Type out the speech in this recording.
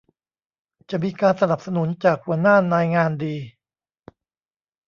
จะมีการสนับสนุนจากหัวหน้านายงานดี